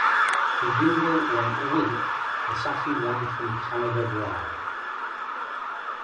The jingle went Wink, the sassy one, from Canada Dry.